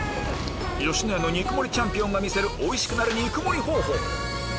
野家の肉盛りチャンピオンが見せるおいしくなる肉盛り方法